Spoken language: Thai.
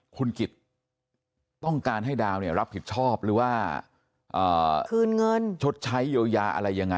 คุณกิจต้องการให้ดาวรับผิดชอบหรือว่าชดใช้โยยะอะไรยังไง